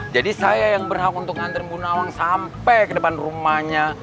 jadi saya yang berhak untuk ngantri bunawang sampai ke depan rumahnya